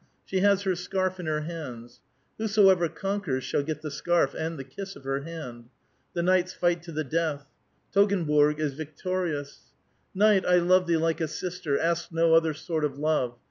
She has her scarf in her hands. Whosoever conquers shall get the scarf and the kiss of her hand. The knights fight to ttie death. Toggenburg is victorious. " Knight, I love thee like a sister. Ask no other sort of love.